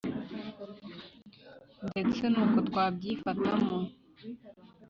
ndetse nu ko twabyifatamo